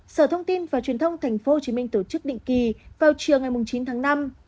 sở thông tin và truyền thông tp hcm tổ chức định kỳ vào chiều ngày chín tháng năm